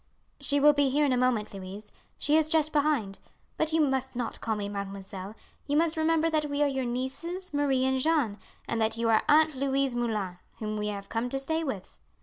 "She will be here in a moment, Louise; she is just behind. But you must not call me mademoiselle; you must remember that we are your nieces Marie and Jeanne, and that you are our aunt Louise Moulin, whom we have come to stay with."